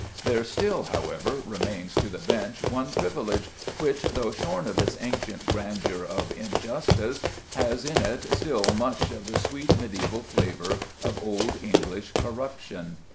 There still, however, remains to the bench one privilege, which, though shorn of its ancient grandeur of injustice, has in it still much of the sweet mediæval flavour of old English corruption.